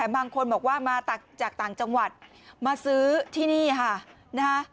บางคนบอกว่ามาจากต่างจังหวัดมาซื้อที่นี่ค่ะนะฮะ